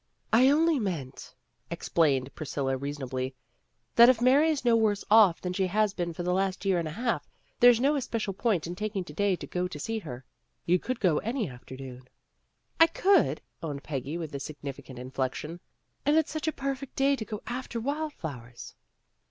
"I only meant," explained Priscilla reason ably, "that if Mary's no worse off than she has been for the last year and a half, there's no especial point in taking to day to go to see her. You could go any afternoon." "I could," owned Peggy with a significant inflection. "And it's such a perfect day to go after wild flowers."